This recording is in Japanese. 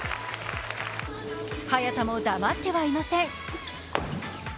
早田も黙ってはいません。